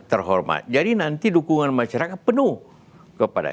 terhormat jadi nanti dukungan masyarakat penuh kepada